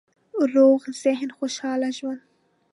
روغ ذهن، خوشحاله ژوند